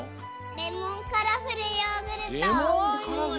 レモンカラフルヨーグルト？